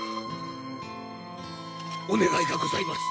お願いがございます。